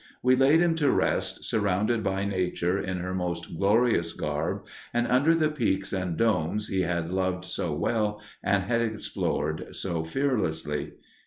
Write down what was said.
We laid him to rest, surrounded by nature in Her most glorious garb, and under the peaks and domes he had loved so well and had explored so fearlessly.